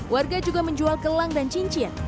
warga juga menjual gelang dan cincin